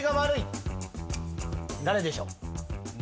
誰でしょう？